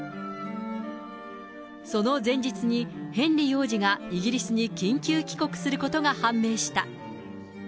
その前日にヘンリー王子がイギリスに緊急帰国することが判明した。